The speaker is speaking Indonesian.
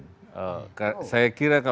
faktor presiden juga perlu diperhitungkan